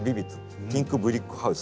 「ピンクブリックハウス」。